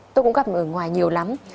tôi cũng gặp ở ngoài nhiều lắm